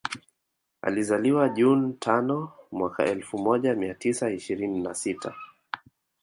Alizaliwa June tano mwaka elfu moja mia tisa ishirini na sita